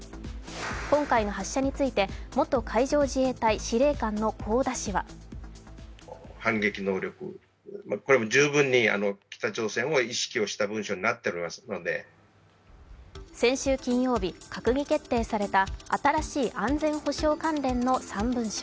今回の発射について元海上自衛隊司令官の香田氏は先週金曜日、閣議決定された新しい安全保障関連の３文書。